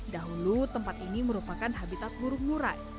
dahulu tempat ini merupakan habitat burung murai